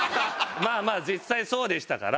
まあまあ実際そうでしたから。